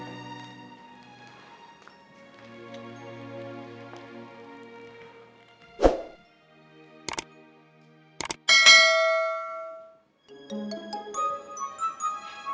sampai jumpa di video selanjutnya